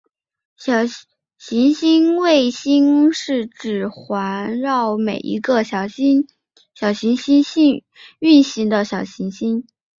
小行星卫星是指环绕另一颗小行星运行的小行星。